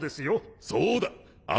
そうだ。